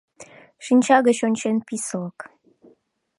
Шинча гыч ончен писылык.